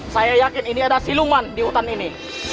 saya yakin ini adalah siluman di hutan ini